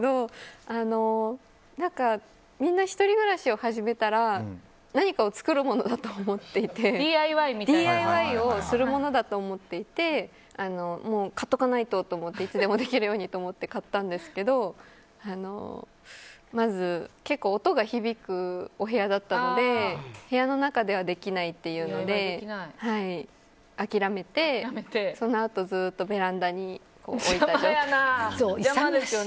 みんな１人暮らしを始めたら何かを作るものだと思っていてＤＩＹをするものだと思っていて買っとかないとと思っていつでもできるように買ったんですけど結構、音が響くお部屋だったので部屋の中ではできないっていうので諦めて、そのあとずっとベランダに置いたままで。